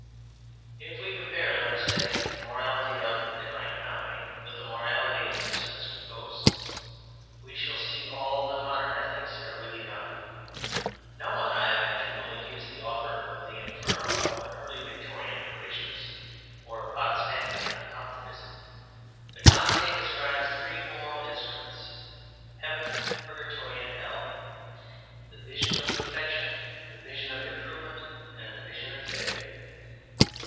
If we compare, let us say, the morality of the DIVINE COMEDY with the morality of Ibsen's GHOSTS, we shall see all that modern ethics have really done. No one, I imagine, will accuse the author of the INFERNO of an Early Victorian prudishness or a Podsnapian optimism. But Dante describes three moral instruments Heaven, Purgatory, and Hell, the vision of perfection, the vision of improvement, and the vision of failure.